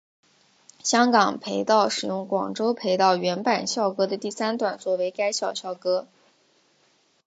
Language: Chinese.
香港培道使用广州培道原版校歌的第三段作为该校校歌。